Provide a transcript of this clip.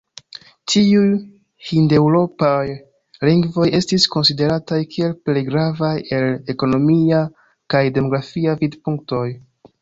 Tiuj hindeŭropaj lingvoj estis konsiderataj kiel plej gravaj el ekonomia kaj demografia vidpunktoj.